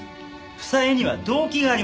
房江には動機があります